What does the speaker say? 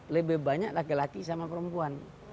lebih banyak laki laki sama perempuan